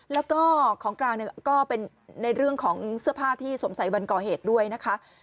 แล้วก็ของกลางก็เป็นในเรื่องของเสื้อผ้าที่สวมใส่วันก่อเหตุด้วยนะคะ